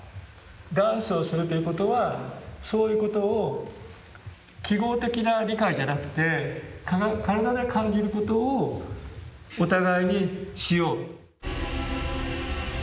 ダンスをするということはそういうことを記号的な理解じゃなくて身体で感じることをお互いにしよう。